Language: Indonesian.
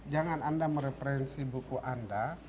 jangan anda mereferensi buku anda